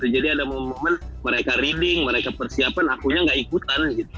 jadi ada momen momen mereka reading mereka persiapan akunya nggak ikutan